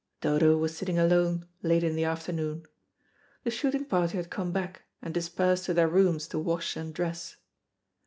Dodo was sitting alone late in the afternoon. The shooting party had come back, and dispersed to their rooms to wash and dress.